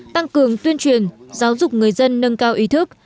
tăng cường tuyên truyền giáo dục người dân nâng cao ý thức